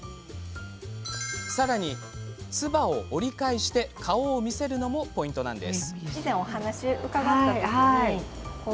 さらに、つばを折り返して顔を見せるのもポイントなんです。